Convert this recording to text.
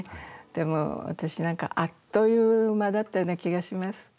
でも、私なんか、あっという間だった気がします。